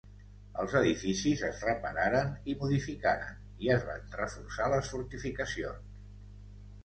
Els edificis es repararen i modificaren, i es van reforçar les fortificacions.